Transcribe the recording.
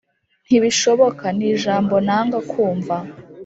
Ntibishoboka ni ijambo nanga kumva.